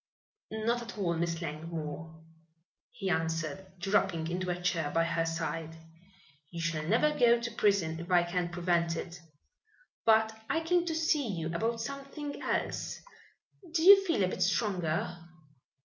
"Not at all, Miss Langmore," he answered, dropping into a chair by her side. "You shall never go to prison if I can prevent it. But I came to see you about something else. Do you feel a bit stronger?"